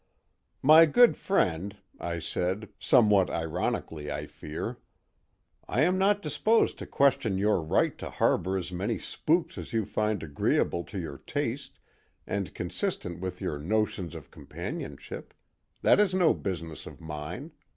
"My good friend," I said, somewhat ironically, I fear, "I am not disposed to question your right to harbor as many spooks as you find agreeable to your taste and consistent with your notions of companionship; that is no business of mine.